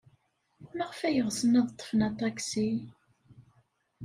Maɣef ay ɣsen ad ḍḍfen aṭaksi?